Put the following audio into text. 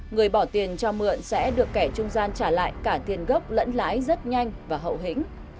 người bỏ tiền cho mượn sẽ được kẻ trung gian trả lại cả tiền gốc lẫn lãi rất nhanh và hậu hĩnh